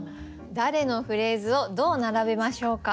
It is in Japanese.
誰のフレーズをどう並べましょうか。